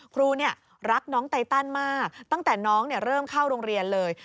ครูรักน้องไตตันมากตั้งแต่น้องเริ่มเข้าโรงเรียนเลย